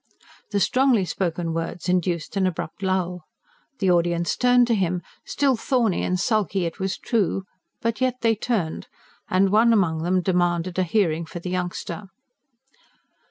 The strongly spoken words induced an abrupt lull. The audience turned to him, still thorny and sulky it was true, but yet they turned; and one among them demanded a hearing for the youngster.